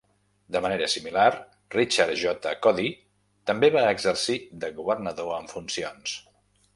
De manera similar, Richard J. Codey també va exercir de governador en funcions.